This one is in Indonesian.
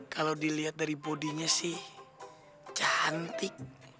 kalau dilihat dari bodinya sih cantik